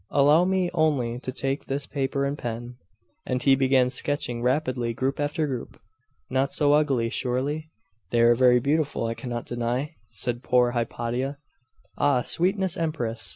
Allow me only to take this paper and pen ' And he began sketching rapidly group after group. 'Not so ugly, surely?' 'They are very beautiful, I cannot deny,' said poor Hypatia. 'Ah, sweetest Empress!